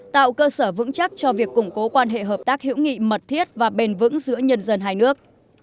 tạo cơ sở vững chắc cho việc củng cố quan hệ hợp tác hữu nghị mật thiết và bền vững giữa nhân dân hai nước